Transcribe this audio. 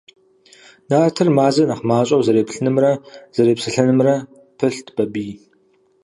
Нартыр Мазэ нэхъ мащӀэу зэреплъынымрэ зэрепсэлъэнымрэ пылът Бабий.